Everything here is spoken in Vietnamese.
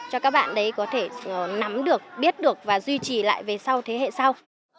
cho các bạn đấy có thể nắm được biết được và duy trì lại về sau thế hệ sau